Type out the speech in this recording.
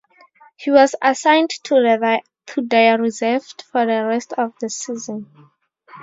He was assigned to their reserves for the rest of the season.